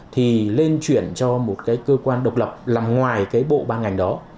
thì lên chuyển cho một cơ quan độc lập làm ngoài bộ ban ngành đó